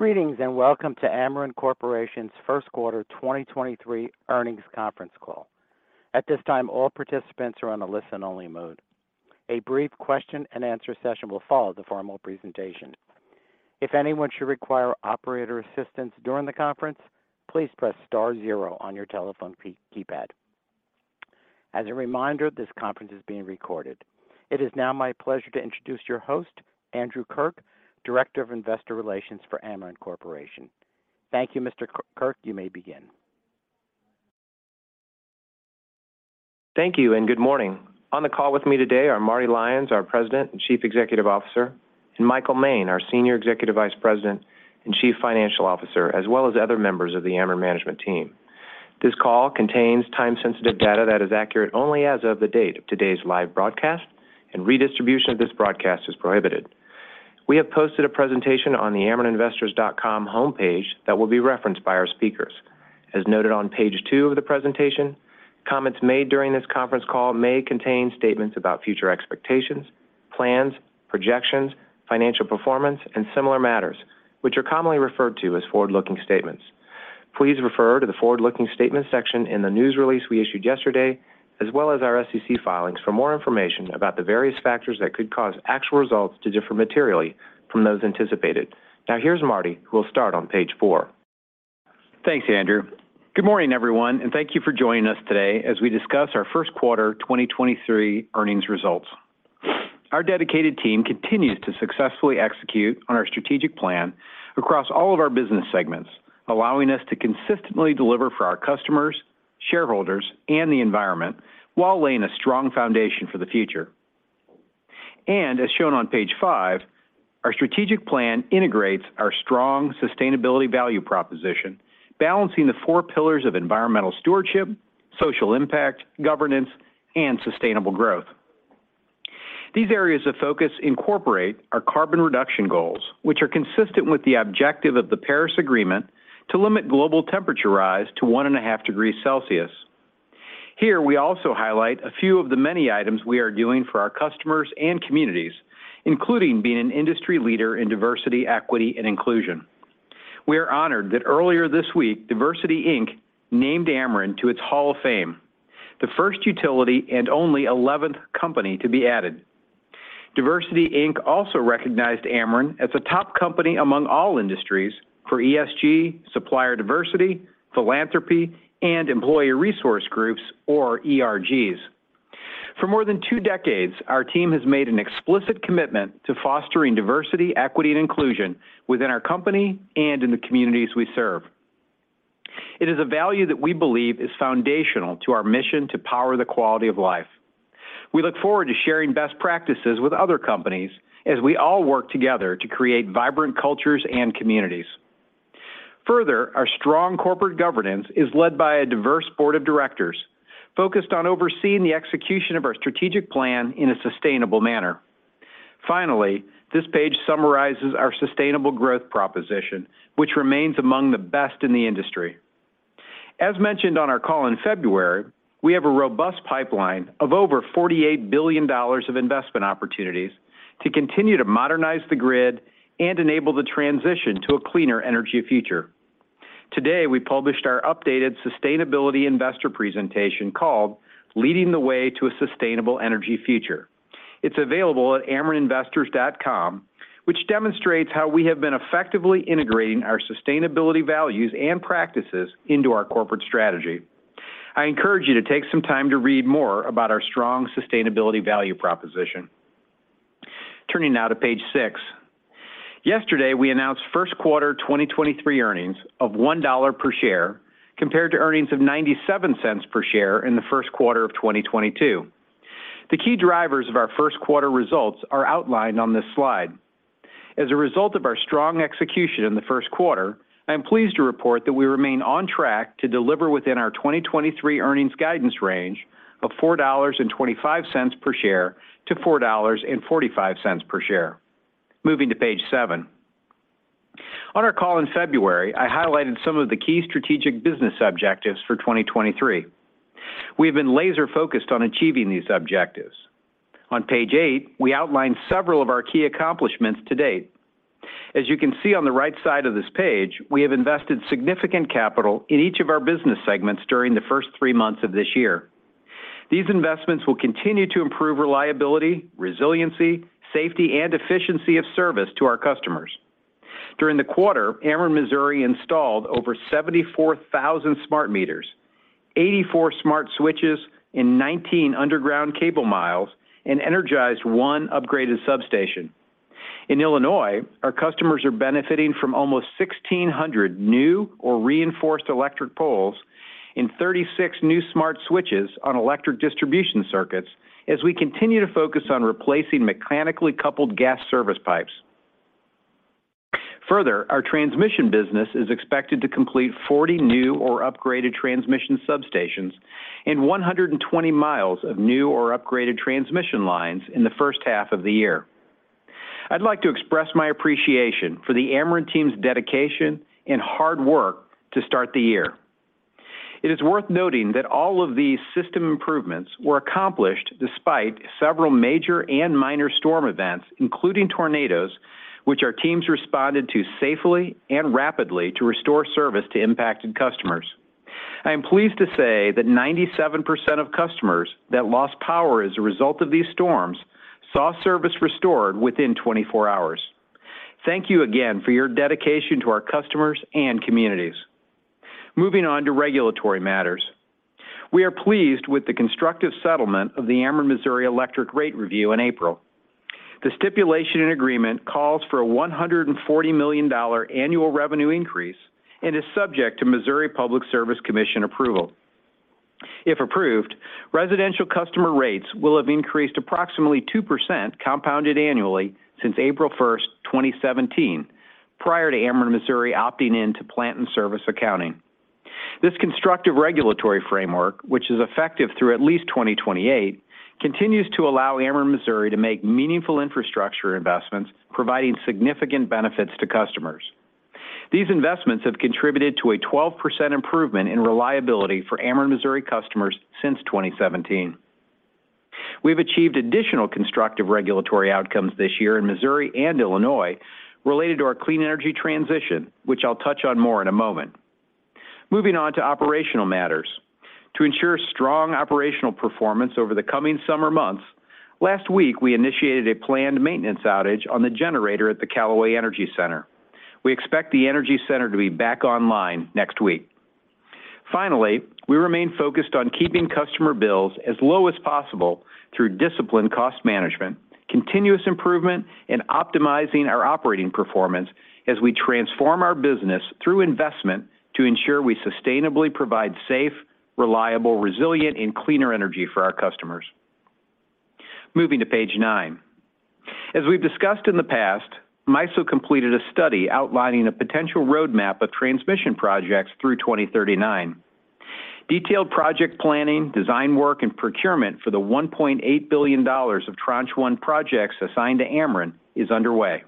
Greetings and welcome to Ameren Corporation's Q1 2023 earnings conference call. At this time, all participants are on a listen only mode. A brief question and answer session will follow the formal presentation. If anyone should require operator assistance during the conference, please press star zero on your telephone keypad. As a reminder, this conference is being recorded. It is now my pleasure to introduce your host, Andrew Kirk, Director of Investor Relations for Ameren Corporation. Thank you, Mr. Kirk. You may begin. Thank you. Good morning. On the call with me today are Marty Lyons, our President and Chief Executive Officer, and Michael Moehn, our Senior Executive Vice President and Chief Financial Officer, as well as other members of the Ameren management team. This call contains time-sensitive data that is accurate only as of the date of today's live broadcast. Redistribution of this broadcast is prohibited. We have posted a presentation on the amereninvestors.com homepage that will be referenced by our speakers. As noted on page two of the presentation, comments made during this conference call may contain statements about future expectations, plans, projections, financial performance and similar matters, which are commonly referred to as forward-looking statements. Please refer to the forward-looking statement section in the news release we issued yesterday, as well as our SEC filings for more information about the various factors that could cause actual results to differ materially from those anticipated. Now, here's Marty, who will start on page 4. Thanks, Andrew. Good morning, everyone, thank you for joining us today as we discuss our Q1 2023 earnings results. Our dedicated team continues to successfully execute on our strategic plan across all of our business segments, allowing us to consistently deliver for our customers, shareholders, and the environment while laying a strong foundation for the future. As shown on page 5, our strategic plan integrates our strong sustainability value proposition, balancing the 4 pillars of environmental stewardship, social impact, governance, and sustainable growth. These areas of focus incorporate our carbon reduction goals, which are consistent with the objective of the Paris Agreement to limit global temperature rise to one and a half degrees Celsius. Here we also highlight a few of the many items we are doing for our customers and communities, including being an industry leader in diversity, equity, and inclusion. We are honored that earlier this week, DiversityInc named Ameren to its Hall of Fame, the first utility and only 11th company to be added. DiversityInc also recognized Ameren as a top company among all industries for ESG, supplier diversity, philanthropy, and employee resource groups or ERGs. For more than two decades, our team has made an explicit commitment to fostering diversity, equity and inclusion within our company and in the communities we serve. It is a value that we believe is foundational to our mission to power the quality of life. We look forward to sharing best practices with other companies as we all work together to create vibrant cultures and communities. Our strong corporate governance is led by a diverse board of directors focused on overseeing the execution of our strategic plan in a sustainable manner. Finally, this page summarizes our sustainable growth proposition, which remains among the best in the industry. As mentioned on our call in February, we have a robust pipeline of over $48 billion of investment opportunities to continue to modernize the grid and enable the transition to a cleaner energy future. Today, we published our updated sustainability investor presentation called Leading the Way to a Sustainable Energy Future. It's available at amereninvestors.com, which demonstrates how we have been effectively integrating our sustainability values and practices into our corporate strategy. I encourage you to take some time to read more about our strong sustainability value proposition. Turning now to page 6. Yesterday we announced Q1 2023 earnings of $1 per share compared to earnings of $0.97 per share in the Q1 of 2022. The key drivers of our Q1 results are outlined on this slide. As a result of our strong execution in the Q1, I am pleased to report that we remain on track to deliver within our 2023 earnings guidance range of $4.25 to 4.45 per share. Moving to page seven. On our call in February, I highlighted some of the key strategic business objectives for 2023. We have been laser focused on achieving these objectives. On page eight, we outlined several of our key accomplishments to date. As you can see on the right side of this page, we have invested significant capital in each of our business segments during the first three months of this year. These investments will continue to improve reliability, resiliency, safety, and efficiency of service to our customers. During the quarter, Ameren Missouri installed over 74,000 smart meters, 84 smart switches and 19 underground cable miles, and energized 1 upgraded substation. In Illinois, our customers are benefiting from almost 1,600 new or reinforced electric poles and 36 new smart switches on electric distribution circuits as we continue to focus on replacing mechanically coupled gas service pipes. Our transmission business is expected to complete 40 new or upgraded transmission substations and 120 miles of new or upgraded transmission lines in the first half of the year. I'd like to express my appreciation for the Ameren team's dedication and hard work to start the year. It is worth noting that all of these system improvements were accomplished despite several major and minor storm events, including tornadoes, which our teams responded to safely and rapidly to restore service to impacted customers. I am pleased to say that 97% of customers that lost power as a result of these storms saw service restored within 24 hours. Thank you again for your dedication to our customers and communities. Moving on to regulatory matters. We are pleased with the constructive settlement of the Ameren Missouri electric rate review in April. The stipulation and agreement calls for a $140 million annual revenue increase and is subject to Missouri Public Service Commission approval. If approved, residential customer rates will have increased approximately 2% compounded annually since April 1, 2017, prior to Ameren Missouri opting in to Plant In Service Accounting. This constructive regulatory framework, which is effective through at least 2028, continues to allow Ameren Missouri to make meaningful infrastructure investments, providing significant benefits to customers. These investments have contributed to a 12% improvement in reliability for Ameren Missouri customers since 2017. We've achieved additional constructive regulatory outcomes this year in Missouri and Illinois related to our clean energy transition, which I'll touch on more in a moment. Moving on to operational matters. To ensure strong operational performance over the coming summer months, last week we initiated a planned maintenance outage on the generator at the Callaway Energy Center. We expect the energy center to be back online next week. We remain focused on keeping customer bills as low as possible through disciplined cost management, continuous improvement, and optimizing our operating performance as we transform our business through investment to ensure we sustainably provide safe, reliable, resilient, and cleaner energy for our customers. Moving to page 9. As we've discussed in the past, MISO completed a study outlining a potential roadmap of transmission projects through 2039. Detailed project planning, design work, and procurement for the $1.8 billion of Tranche one projects assigned to Ameren is underway.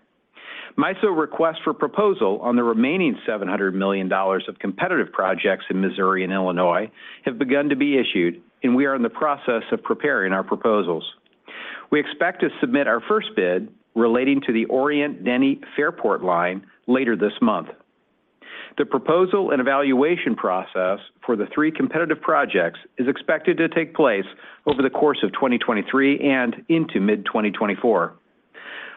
MISO request for proposal on the remaining $700 million of competitive projects in Missouri and Illinois have begun to be issued, and we are in the process of preparing our proposals. We expect to submit our first bid relating to the Orient-Denny-Fairport line later this month. The proposal and evaluation process for the three competitive projects is expected to take place over the course of 2023 and into mid-2024.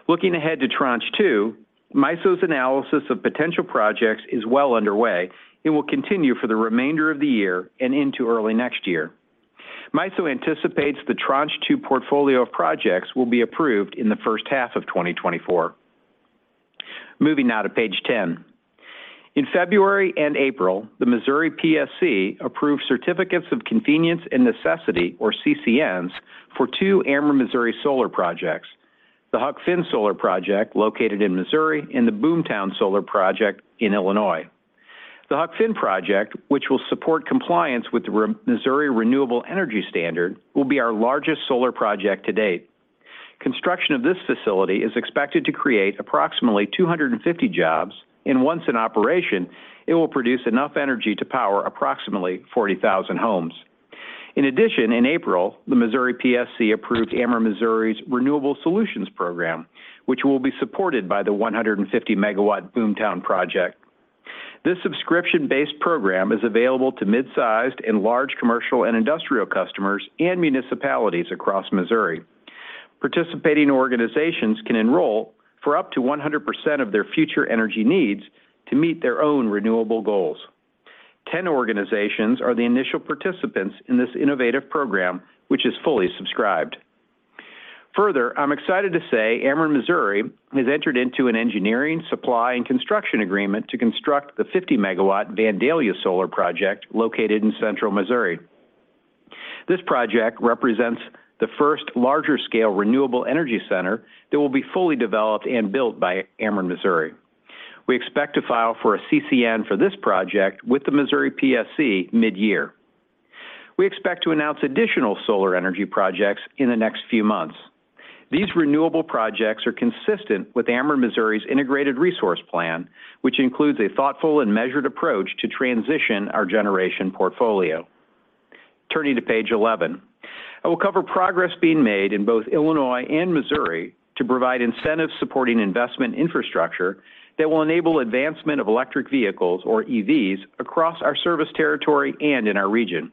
Looking ahead to Tranche two, MISO's analysis of potential projects is well underway. It will continue for the remainder of the year and into early next year. MISO anticipates the Tranche two portfolio of projects will be approved in the first half of 2024. Moving now to page 10. In February and April, the Missouri PSC approved certificates of convenience and necessity, or CCNs, for two Ameren Missouri solar projects, the Huck Finn Solar Project located in Missouri and the Boomtown Solar Project in Illinois. The Huck Finn project, which will support compliance with the Missouri Renewable Energy Standard, will be our largest solar project to date. Construction of this facility is expected to create approximately 250 jobs, and once in operation, it will produce enough energy to power approximately 40,000 homes. In addition, in April, the Missouri PSC approved Ameren Missouri's Renewable Solutions Program, which will be supported by the 150 MW Boomtown project. This subscription-based program is available to mid-sized and large commercial and industrial customers and municipalities across Missouri. Participating organizations can enroll for up to 100% of their future energy needs to meet their own renewable goals. 10 organizations are the initial participants in this innovative program, which is fully subscribed. I'm excited to say Ameren Missouri has entered into an engineering, supply, and construction agreement to construct the 50-megawatt Vandalia Solar Project located in central Missouri. This project represents the first larger-scale renewable energy center that will be fully developed and built by Ameren Missouri. We expect to file for a CCN for this project with the Missouri PSC mid-year. We expect to announce additional solar energy projects in the next few months. These renewable projects are consistent with Ameren Missouri's Integrated Resource Plan, which includes a thoughtful and measured approach to transition our generation portfolio. Turning to page 11. I will cover progress being made in both Illinois and Missouri to provide incentives supporting investment infrastructure that will enable advancement of electric vehicles or EVs across our service territory and in our region.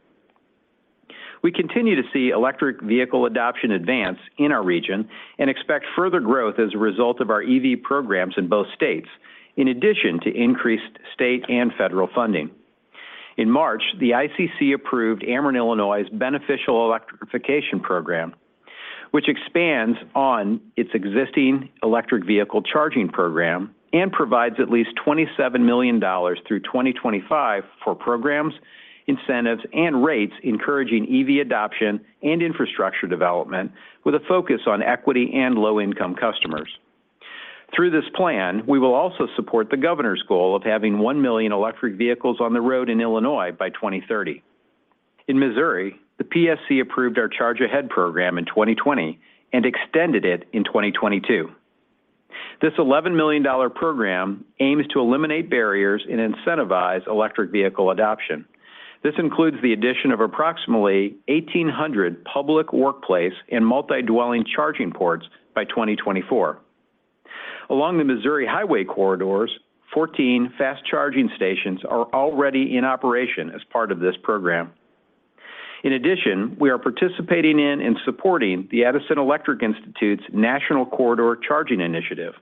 We continue to see electric vehicle adoption advance in our region and expect further growth as a result of our EV programs in both states, in addition to increased state and federal funding. In March, the ICC approved Ameren Illinois' Beneficial Electrification Program, which expands on its existing electric vehicle charging program and provides at least $27 million through 2025 for programs, incentives, and rates encouraging EV adoption and infrastructure development with a focus on equity and low-income customers. Through this plan, we will also support the governor's goal of having 1 million electric vehicles on the road in Illinois by 2030. In Missouri, the PSC approved our Charge Ahead program in 2020 and extended it in 2022. This $11 million program aims to eliminate barriers and incentivize electric vehicle adoption. This includes the addition of approximately 1,800 public workplace and multi-dwelling charging ports by 2024. Along the Missouri Highway corridors, 14 fast-charging stations are already in operation as part of this program. In addition, we are participating in and supporting the Edison Electric Institute's National Corridor Charging Initiative.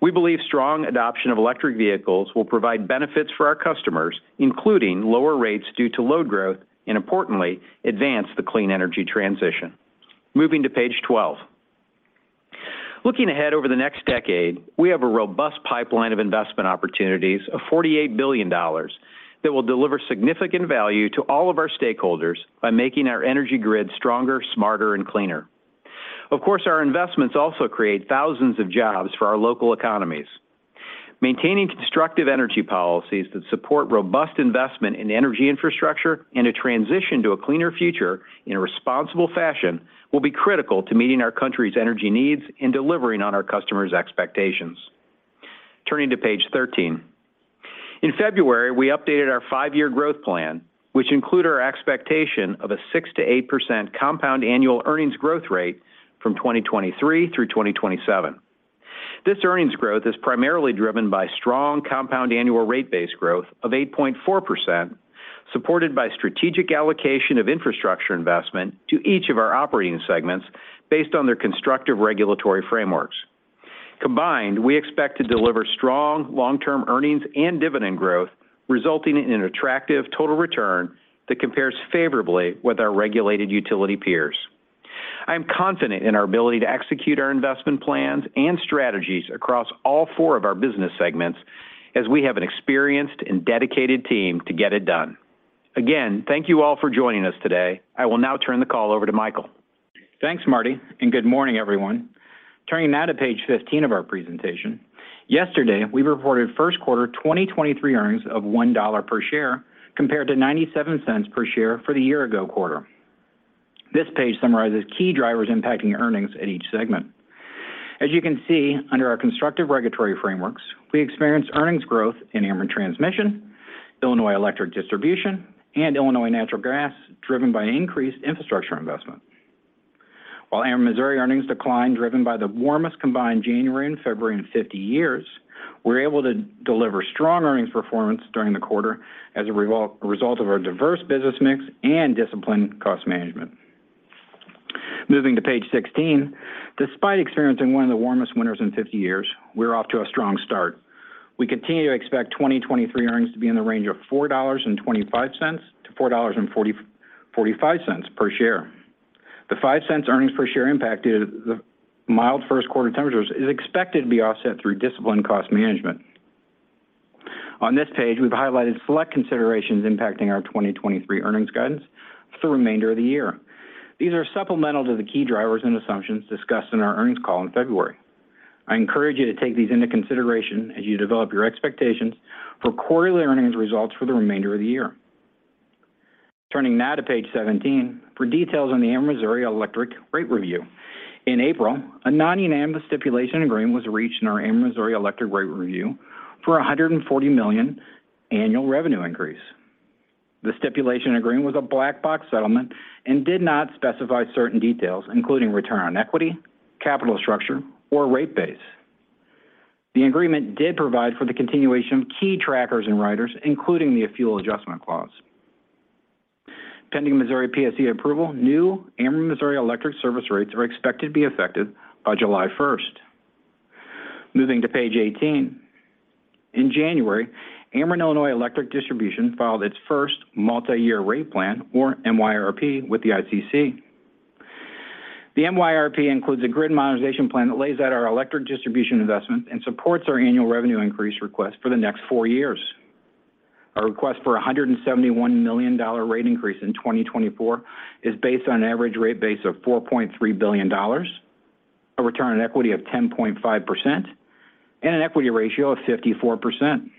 We believe strong adoption of electric vehicles will provide benefits for our customers, including lower rates due to load growth, and importantly, advance the clean energy transition. Moving to page 12. Looking ahead over the next decade, we have a robust pipeline of investment opportunities of $48 billion that will deliver significant value to all of our stakeholders by making our energy grid stronger, smarter, and cleaner. Of course. Our investments also create thousands of jobs for our local economies. Maintaining constructive energy policies that support robust investment in energy infrastructure and a transition to a cleaner future in a responsible fashion will be critical to meeting our country's energy needs and delivering on our customers' expectations. Turning to page 13. In February, we updated our five-year growth plan, which include our expectation of a 6%-8% compound annual earnings growth rate from 2023 through 2027. This earnings growth is primarily driven by strong compound annual rate-based growth of 8.4%, supported by strategic allocation of infrastructure investment to each of our operating segments based on their constructive regulatory frameworks. Combined, we expect to deliver strong long-term earnings and dividend growth, resulting in an attractive total return that compares favorably with our regulated utility peers. I am confident in our ability to execute our investment plans and strategies across all four of our business segments as we have an experienced and dedicated team to get it done. Again, thank you all for joining us today. I will now turn the call over to Michael. Thanks, Marty, and good morning, everyone. Turning now to page 15 of our presentation. Yesterday, we reported Q1 2023 earnings of $1 per share compared to $0.97 per share for the year-ago quarter. This page summarizes key drivers impacting earnings at each segment. As you can see, under our constructive regulatory frameworks, we experienced earnings growth in Ameren Transmission, Illinois Electric Distribution, and Illinois Natural Gas, driven by increased infrastructure investment. While Ameren Missouri earnings declined, driven by the warmest combined January and February in 50 years, we're able to deliver strong earnings performance during the quarter as a result of our diverse business mix and disciplined cost management. Moving to page 16. Despite experiencing one of the warmest winters in 50 years, we're off to a strong start. We continue to expect 2023 earnings to be in the range of $4.25-$4.45 per share. The $0.05 earnings per share impact due to the mild Q1 temperatures is expected to be offset through disciplined cost management. On this page, we've highlighted select considerations impacting our 2023 earnings guidance for the remainder of the year. These are supplemental to the key drivers and assumptions discussed in our earnings call in February. I encourage you to take these into consideration as you develop your expectations for quarterly earnings results for the remainder of the year. Turning now to page 17 for details on the Ameren Missouri Electric Rate Review. In April, a non-unanimous stipulation agreement was reached in our Ameren Missouri Electric Rate Review for a $140 million annual revenue increase. The stipulation agreement was a black box settlement and did not specify certain details, including return on equity, capital structure, or rate base. The agreement did provide for the continuation of key trackers and riders, including the Fuel Adjustment Clause. Pending Missouri PSC approval, new Ameren Missouri electric service rates are expected to be effective by July 1st. Moving to page 18. In January, Ameren Illinois Electric Distribution filed its first multiyear rate plan or MYRP with the ICC. The MYRP includes a grid monetization plan that lays out our electric distribution investments and supports our annual revenue increase request for the next four years. Our request for a $171 million rate increase in 2024 is based on an average rate base of $4.3 billion, a return on equity of 10.5%, and an equity ratio of 54%.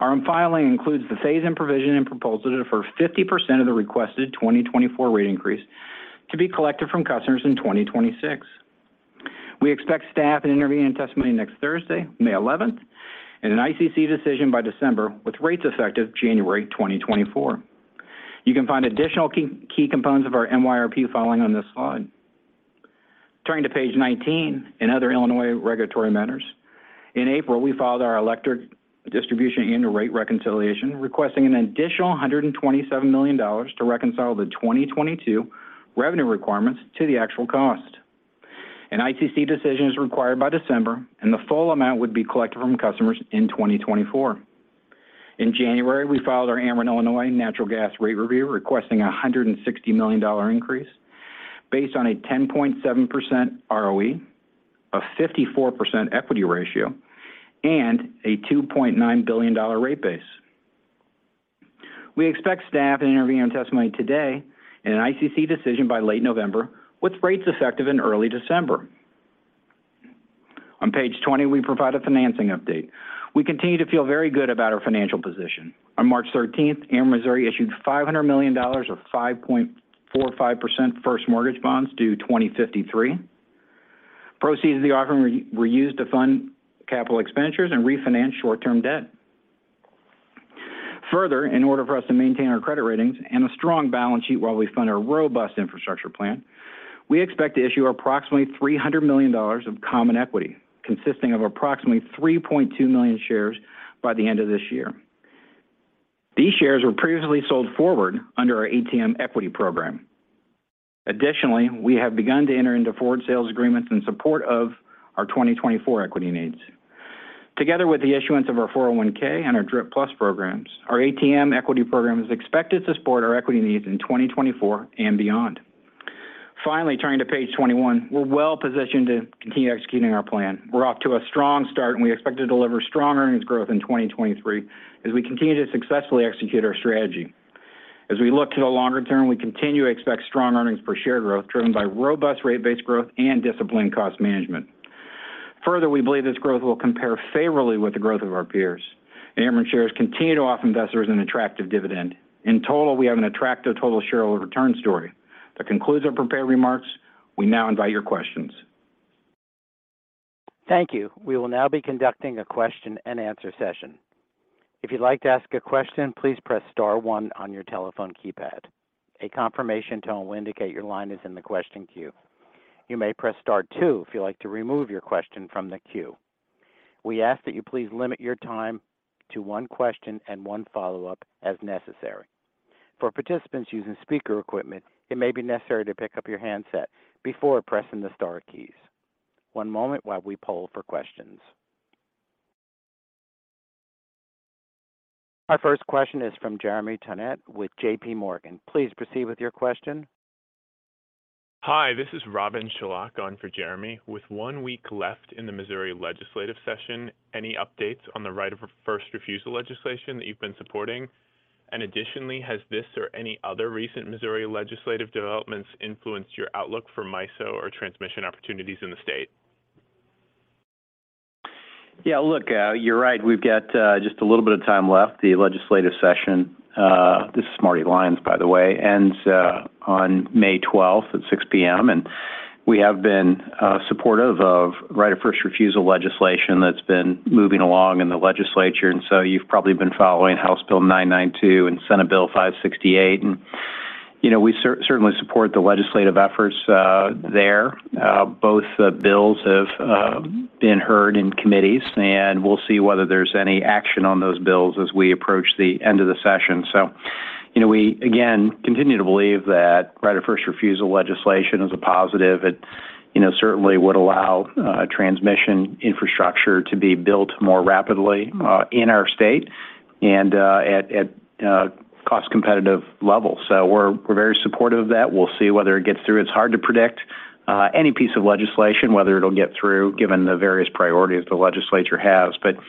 Our filing includes the phase-in provision and proposal for 50% of the requested 2024 rate increase to be collected from customers in 2026. We expect staff and interviewing and testimony next Thursday, May 11th, and an ICC decision by December with rates effective January 2024. You can find additional key components of our MYRP filing on this slide. Turning to page 19. In other Illinois regulatory matters, in April, we filed our electric distribution annual rate reconciliation, requesting an additional $127 million to reconcile the 2022 revenue requirements to the actual cost. An ICC decision is required by December. The full amount would be collected from customers in 2024. In January, we filed our Ameren Illinois Natural Gas Rate Review, requesting a $160 million increase based on a 10.7% ROE, a 54% equity ratio, and a $2.9 billion rate base. We expect staff and interviewing and testimony today and an ICC decision by late November, with rates effective in early December. On page 20, we provide a financing update. We continue to feel very good about our financial position. On March thirteenth, Ameren Missouri issued $500 million of 5.45% first mortgage bonds due 2053. Proceeds of the offering were used to fund capital expenditures and refinance short-term debt. In order for us to maintain our credit ratings and a strong balance sheet while we fund our robust infrastructure plan, we expect to issue approximately $300 million of common equity, consisting of approximately 3.2 million shares by the end of this year. These shares were previously sold forward under our ATM equity program. Additionally, we have begun to enter into forward sales agreements in support of our 2024 equity needs. Together with the issuance of our 401(k) and our DRIP+ programs, our ATM equity program is expected to support our equity needs in 2024 and beyond. Finally, turning to page 21, we're well-positioned to continue executing our plan. We're off to a strong start, we expect to deliver strong earnings growth in 2023 as we continue to successfully execute our strategy. As we look to the longer term, we continue to expect strong earnings per share growth driven by robust rate base growth and disciplined cost management. Further, we believe this growth will compare favorably with the growth of our peers. Ameren shares continue to offer investors an attractive dividend. In total, we have an attractive total shareholder return story. That concludes our prepared remarks. We now invite your questions. Thank you. We will now be conducting a question-and-answer session. If you'd like to ask a question, please press star one on your telephone keypad. A confirmation tone will indicate your line is in the question queue. You may press star two if you'd like to remove your question from the queue. We ask that you please limit your time to one question and one follow-up as necessary. For participants using speaker equipment, it may be necessary to pick up your handset before pressing the star keys. one moment while we poll for questions. Our first question is from Jeremy Tonet with JPMorgan. Please proceed with your question. Hi, this is Robyn Shiloc on for Jeremy. With one week left in the Missouri legislative session, any updates on the right of first refusal legislation that you've been supporting? Additionally, has this or any other recent Missouri legislative developments influenced your outlook for MISO or transmission opportunities in the state? Look, you're right. We've got just a little bit of time left. The legislative session, this is Marty Lyons, by the way, ends on May 12th at 6:00 P.M. We have been supportive of right of first refusal legislation that's been moving along in the legislature. You've probably been following House Bill 992 and Senate Bill 568. You know, we certainly support the legislative efforts there. Both bills have been heard in committees, and we'll see whether there's any action on those bills as we approach the end of the session. You know, we, again, continue to believe that right of first refusal legislation is a positive. It certainly would allow transmission infrastructure to be built more rapidly in our state and at cost competitive levels. We're very supportive of that. We'll see whether it gets through. It's hard to predict any piece of legislation, whether it'll get through given the various priorities the legislature has. You know,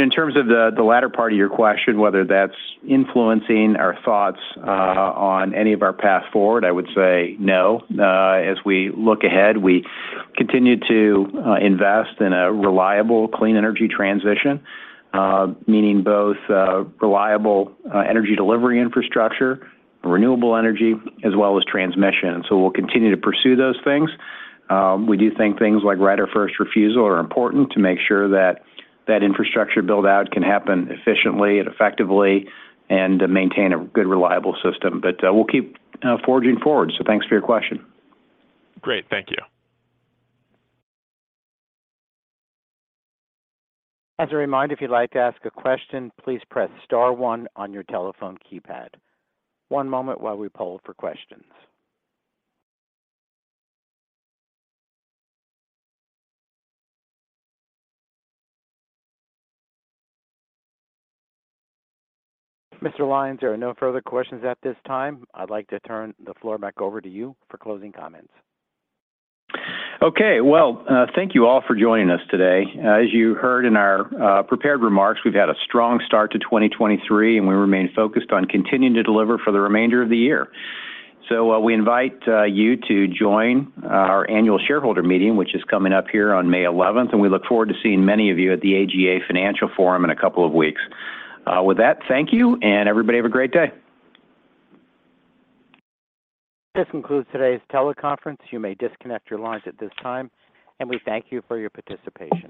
in terms of the latter part of your question, whether that's influencing our thoughts on any of our path forward, I would say no. As we look ahead, we continue to invest in a reliable clean energy transition, meaning both reliable energy delivery infrastructure, renewable energy, as well as transmission. We'll continue to pursue those things. We do think things like right of first refusal are important to make sure that that infrastructure build-out can happen efficiently and effectively and maintain a good reliable system. We'll keep forging forward. Thanks for your question. Great. Thank you. As a reminder, if you'd like to ask a question, please press star one on your telephone keypad. One moment while we poll for questions. Mr. Lyons, there are no further questions at this time. I'd like to turn the floor back over to you for closing comments. Okay. Well, thank you all for joining us today. As you heard in our prepared remarks, we've had a strong start to 2023, and we remain focused on continuing to deliver for the remainder of the year. We invite you to join our annual shareholder meeting, which is coming up here on May 11th, and we look forward to seeing many of you at the AGA Financial Forum in a couple of weeks. With that, thank you, and everybody have a great day. This concludes today's teleconference. You may disconnect your lines at this time. We thank you for your participation.